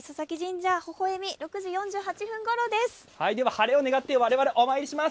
晴れを願って我々お参りします。